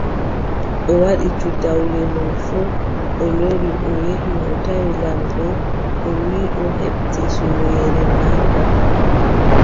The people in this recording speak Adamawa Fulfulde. O waɗi cuɗawle mum fuu o lori, o yehi, o tawi laamɗo o wiʼi o heɓti suweere maako.